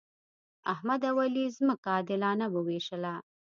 احمد او علي ځمکه عادلانه وویشله.